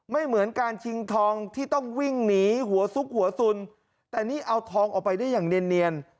เหมือนการชิงทองที่ต้องวิ่งหนีหัวซุกหัวสุนแต่นี่เอาทองออกไปได้อย่างเนียน